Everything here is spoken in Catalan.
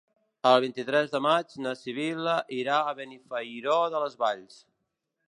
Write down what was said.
El vint-i-tres de maig na Sibil·la irà a Benifairó de les Valls.